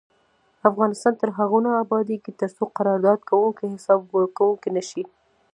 افغانستان تر هغو نه ابادیږي، ترڅو قرارداد کوونکي حساب ورکوونکي نشي.